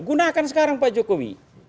gunakan sekarang pak jokowi